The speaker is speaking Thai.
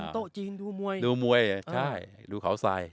นี่ก็นั่งโต่จีนดูมวย